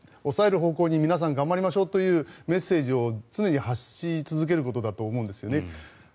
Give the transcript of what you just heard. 方向に皆さん頑張りましょうというメッセージを常に発し続けることだと思うんですよね。